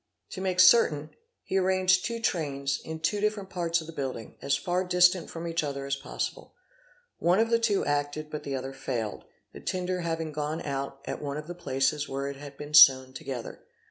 To make certain, he arranged two trains in two different parts of the building, as far distant from each other as possible. One of the two acted but the other failed, the tinder having gone out at one of the places where it had been sewn together.